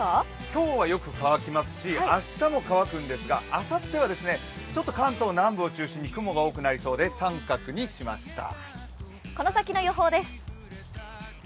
今日はよく乾きますし、明日も乾くんですが、あさってはちょっと関東南部を中心に雲が多くなりそうで△にしました。